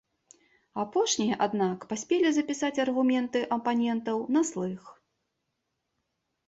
Апошнія, аднак, паспелі запісаць аргументы апанентаў на слых.